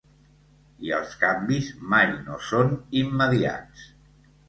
I els canvis mai no són immediats.